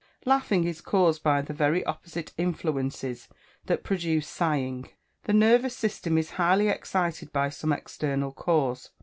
_ Laughing is caused by the very opposite influences that produce sighing. The nervous system is highly excited by some external cause.